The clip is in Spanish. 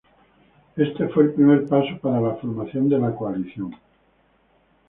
Este fue el primer paso para la formación de la coalición.